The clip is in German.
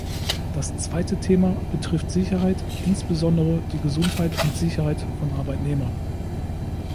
Das zweite Thema betrifft Sicherheit, insbesondere die Gesundheit und Sicherheit von Arbeitnehmern.